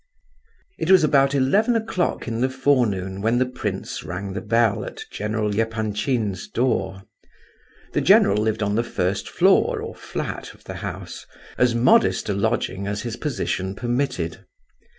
It was about eleven o'clock in the forenoon when the prince rang the bell at General Epanchin's door. The general lived on the first floor or flat of the house, as modest a lodging as his position permitted.